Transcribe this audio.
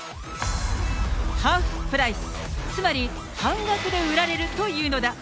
ハーフプライス、つまり、半額で売られるというのだ。